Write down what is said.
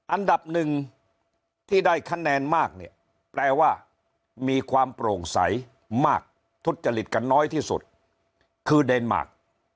อันดับหนึ่งที่ได้คะแนนมากเนี่ยแปลว่ามีความโปร่งใสมากทุจจริตกันน้อยที่สุดคือเดนมาร์ค